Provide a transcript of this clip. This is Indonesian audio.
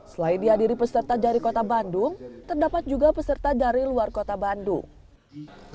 selain dihadiri peserta dari kota bandung terdapat juga peserta dari luar kota bandung